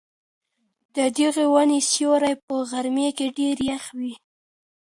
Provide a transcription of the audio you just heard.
د دغې وني سیوری په غرمې کي ډېر یخ وي.